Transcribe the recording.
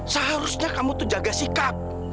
seharusnya kamu tuh jaga sikap